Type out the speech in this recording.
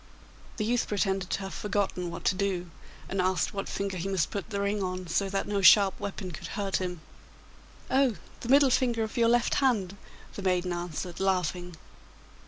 The youth pretended to have forgotten what to do, and asked what finger he must put the ring on so that no sharp weapon could hurt him?' 'Oh, the middle finger of your left hand,' the maiden answered, laughing.